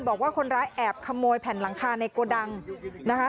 บอกว่าคนร้ายแอบขโมยแผ่นหลังคาในโกดังนะคะ